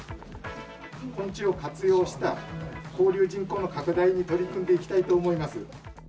昆虫を活用した交流人口の拡大に取り組んでいきたいと思います。